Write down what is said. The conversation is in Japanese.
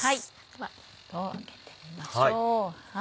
では開けてみましょう。